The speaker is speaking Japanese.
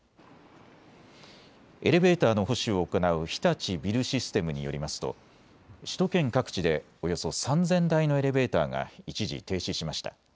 エレベーターの保守を行う日立ビルシステムによりますと首都圏各地でおよそ３０００台のエレベーターが一時停止しました。